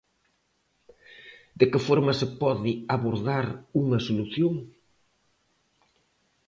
De que forma se pode abordar unha solución?